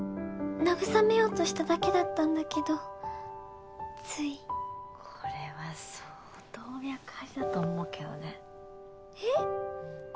慰めようとしただけだったんだけどついこれは相当脈ありだと思うけどねえっ？